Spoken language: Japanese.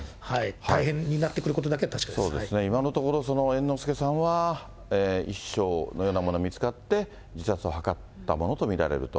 大変になってくることだけは確か今のところ、猿之助さんは遺書のようなものが見つかって、自殺を図ったものと見られると。